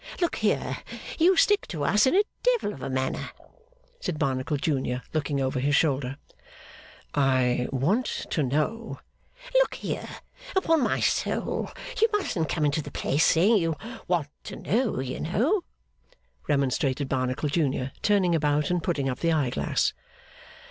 Look here. You stick to us in a devil of a manner,' Said Barnacle junior, looking over his shoulder. 'I want to know ' 'Look here. Upon my soul you mustn't come into the place saying you want to know, you know,' remonstrated Barnacle junior, turning about and putting up the eye glass.